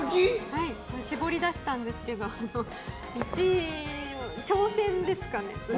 絞り出したんですけど１位、挑戦ですかね。